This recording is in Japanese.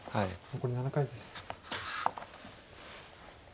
残り７回です。